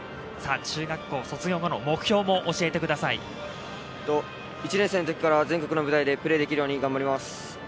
中学校卒業後の目標も教えて１年生の時から全国の舞台でプレーできるように頑張ります。